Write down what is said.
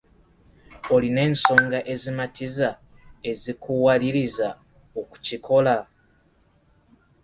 Olina ensonga ezimatiza ezikuwaliriza okukikola.